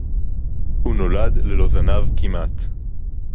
הוּא נּוֹלַד לְלֹא זָנָב כִּמְעַט.